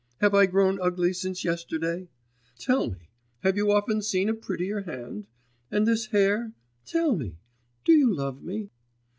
Have I grown ugly since yesterday? Tell me, have you often seen a prettier hand? And this hair? Tell me, do you love me?